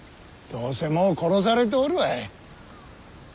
どうせもう殺されておるわい。